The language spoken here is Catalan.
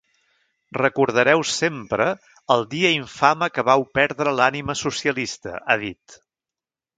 Recordareu sempre el dia infame que vau perdre l’ànima socialista, ha dit.